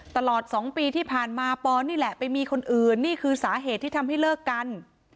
ตลอด๒ปีที่ผ่านมาปอนนี่แหละไปมีคนอื่นนี่คือสาเหตุที่ทำให้เลิกกัน